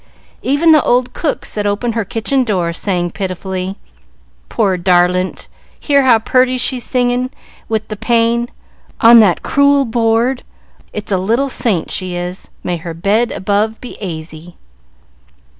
Even the old cook set open her kitchen door, saying pitifully, "Poor darlint, hear how purty she's singin', wid the pain, on that crewel boord. It's a little saint, she is. May her bed above be aisy!"